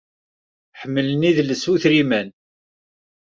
Ḥemmlen idles utriman